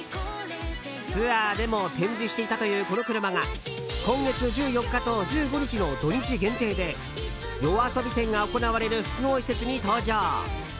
ツアーでも展示していたというこの車が今月１４日と１５日の土日限定でＹＯＡＳＯＢＩ展が行われる複合施設に登場。